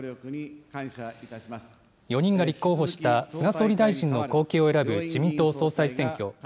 ４人が立候補した、菅総理大臣の後継を選ぶ自民党総裁選挙。